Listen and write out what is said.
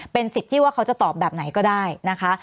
เป็นสิทธิ์ที่ว่าเขาจะตอบแบบไหนก็ได้นะคะ